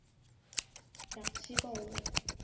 眼斑棘蛙为蛙科蛙属的两栖动物。